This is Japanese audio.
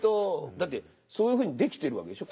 だってそういうふうに出来てるわけでしょ？